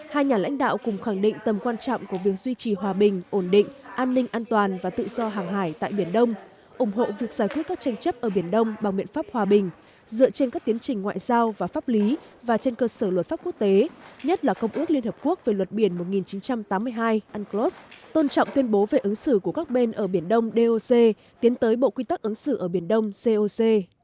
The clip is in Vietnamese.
hai nhà lãnh đạo cùng khẳng định tầm quan trọng của việc duy trì hòa bình ổn định an ninh an toàn và tự do hàng hải tại biển đông ủng hộ việc giải quyết các tranh chấp ở biển đông bằng miệng pháp hòa bình dựa trên các tiến trình ngoại giao và pháp lý và trên cơ sở luật pháp quốc tế nhất là công ước liên hợp quốc về luật biển một nghìn chín trăm tám mươi hai unclos tôn trọng tuyên bố về ứng xử của các bên ở biển đông doc tiến tới bộ quy tắc ứng xử ở biển đông coc